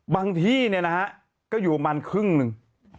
บางที่ก็อยู่มันครึ่งหนึ่ง